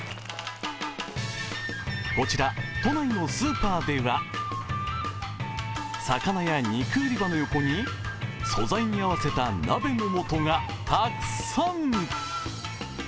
こちら都内のスーパーでは、魚や肉売り場の横に、素材に合わせた鍋のもとがたくさん。